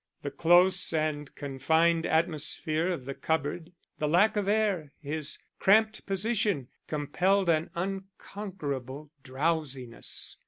The close and confined atmosphere of the cupboard, the lack of air, his cramped position, compelled an unconquerable drowsiness.